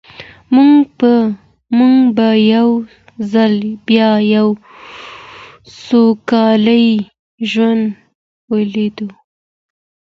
موږ به یو ځل بیا یو سوکاله ژوند ولرو.